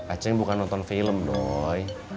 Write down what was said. acing bukan nonton film doi